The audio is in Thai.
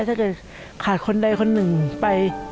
ถ้าเกิดขาดคนใดคนหนึ่งไป